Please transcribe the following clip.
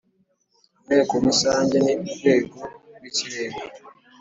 Inteko Rusange ni Urwego rw ikirenga